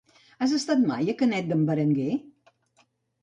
Has estat mai a Canet d'en Berenguer?